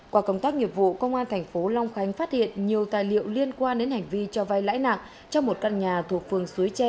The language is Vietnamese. qua công tác nghiệp vụ công an thành phố long khánh phát hiện nhiều tài liệu liên quan đến hành vi cho vay lãi nặng trong một căn nhà thuộc phường suối tre